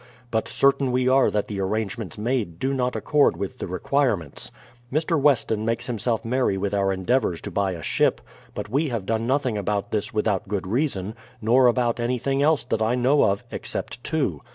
But certain we are that the arrangements made do not accord with the requirements. Mr. Weston makes himself merry with our endeavours to buy a ship ; but we have done nothing about this without good reason, nor about anything else that I know of, except two.